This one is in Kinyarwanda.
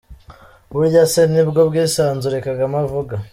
Burya se nibwo bwisanzure Kagame avuga?!